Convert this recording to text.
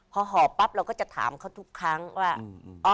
พอห่อปั๊บเราก็จะถามเขาทุกครั้งว่า